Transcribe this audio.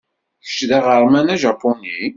Kečč d aɣerman ajapuni?